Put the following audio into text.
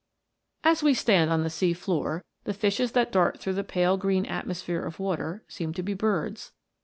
As we stand on the sea floor, the fishes that dart through the pale green atmosphere of water seem to be birds.